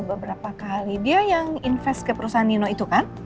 beberapa kali dia yang invest ke perusahaan nino itu kan